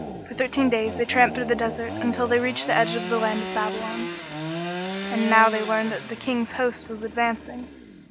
For thirteen days they tramped through the desert, until they reached the edge of the land of Babylon. And now they learned that the king's host was advancing.